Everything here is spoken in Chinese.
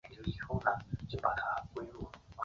线叶书带蕨为书带蕨科书带蕨属下的一个种。